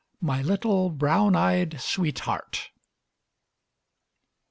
MY LITTLE BROWN EYED SWEETHEART.